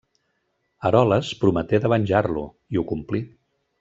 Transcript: Eroles prometé de venjar-lo, i ho complí.